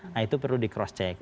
nah itu perlu di cross check